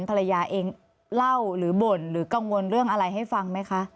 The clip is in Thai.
ภรรยาเองเล่าหรือบ่นหรือกังวลเรื่องอะไรให้ฟังไหมคะ